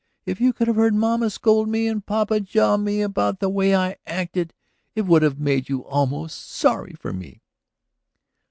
If you could have heard mama scold me and papa jaw me about the way I acted it would have made you almost sorry for me."